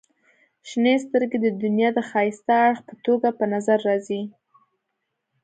• شنې سترګې د دنیا د ښایسته اړخ په توګه په نظر راځي.